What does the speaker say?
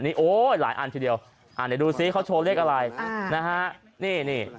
นี่โอ้ยหลายอันทีเดียวอ่าเดี๋ยวดูซิเขาโชว์เลขอะไรอ่านะฮะนี่นี่